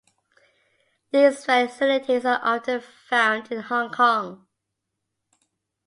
These facilities are often found in Hong Kong.